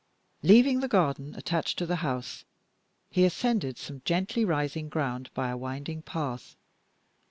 Leaving the garden attached to the house, he ascended some gently rising ground by a winding path.